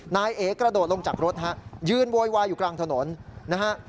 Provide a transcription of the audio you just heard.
นายเอกระโดดลงจากรถฮะยืนโวยวายอยู่กลางถนนนะฮะ